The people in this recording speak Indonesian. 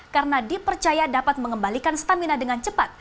karena dipercaya dapat mengembalikan stamina dengan cepat